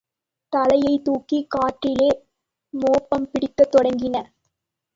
தலையைத் தூக்கிக் காற்றிலே மோப்பம் பிடிக்கத் தொடங்கின.